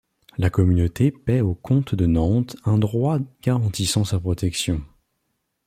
La communauté paie au comte de Nantes un droit garantissant sa protection.